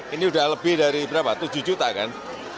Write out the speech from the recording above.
ini udah lebih dari berapa tujuh juta kan